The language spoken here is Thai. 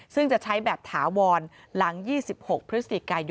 ซึ่งจะใช้แบบถาวรหลัง๒๖พก